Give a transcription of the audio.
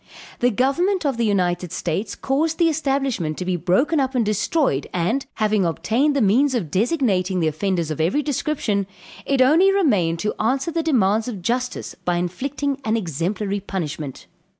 The government of the United States caused the establishment to be broken up and destroyed; and, having obtained the means of designating the offenders of every description, it only remained to answer the demands of justice by inflicting an exemplary punishment.